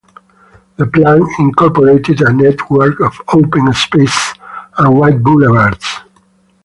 The plan incorporated a network of open spaces and wide boulevards.